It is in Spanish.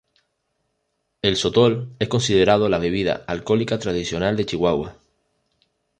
El sotol es considerado la bebida alcohólica tradicional de Chihuahua.